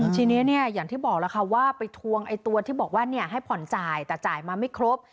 ทีนี้อย่างที่บอกแล้วค่ะว่าไปทวงไอ้ตัวที่บอกว่าให้ผ่อนจ่ายแต่จ่ายมาไม่ครบ